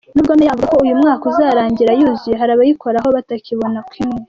Nubwo meya avuga ko uyu mwaka uzarangira yuzuye, hari abayikoraho batabibona kimwe.